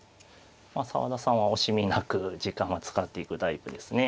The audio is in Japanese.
まあ澤田さんは惜しみなく時間を使っていくタイプですね。